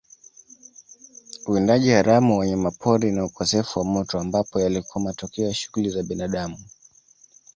Uwindaji haramu wanyamapori na ukosefu wa moto ambapo yalikuwa matokeo ya shughuli za binadamu